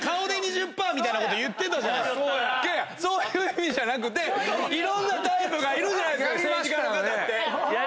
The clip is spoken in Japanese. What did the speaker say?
そういう意味じゃなくていろんなタイプがいるじゃないですか政治家の方って！